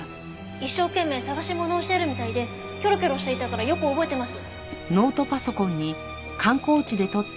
一生懸命捜し物をしているみたいでキョロキョロしていたからよく覚えてます。